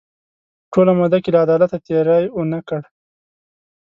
په ټوله موده کې له عدالته تېری ونه کړ.